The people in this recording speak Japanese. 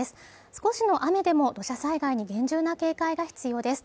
少しの雨でも土砂災害に厳重な警戒が必要です。